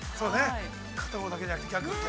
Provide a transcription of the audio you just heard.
◆片方だけじゃなくて、逆も。